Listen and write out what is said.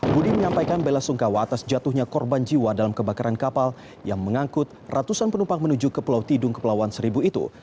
budi menyampaikan bela sungkawa atas jatuhnya korban jiwa dalam kebakaran kapal yang mengangkut ratusan penumpang menuju ke pulau tidung kepulauan seribu itu